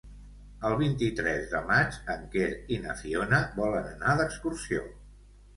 El vint-i-tres de maig en Quer i na Fiona volen anar d'excursió.